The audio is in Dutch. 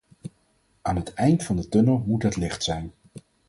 Aan het eind van de tunnel moet het licht zijn.